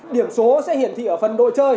điểm số sẽ hiển thị ở phần đội chơi